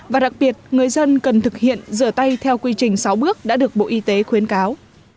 và đặc biệt người dân cần thực hiện rửa tay theo quy trình sáu bước đã được bộ y tế khuyến cáo